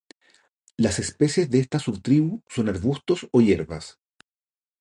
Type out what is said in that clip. Las especies de esta subtribu son arbustos o hierbas.